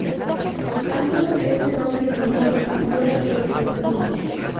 Santos es de doble sentido en toda su extensión.